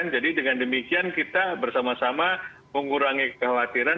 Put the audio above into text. jadi dengan demikian kita bersama sama mengurangi kekhawatiran